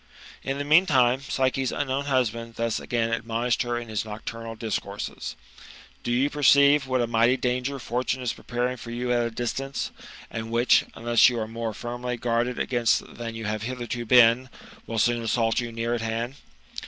In the meantime Psyche's unknown husband thus again admonished her in his nocturnal discourses: "Do you perceive GOLDEN ASS, OF APULElUS. — BOOK V. 77 f what a mighty danger fortune is preparing for you at a distance, and which, unless you are more Armiy guarded against than you have hitherto been, will soon assault you near at hand